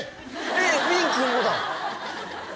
えっウィン君もだ！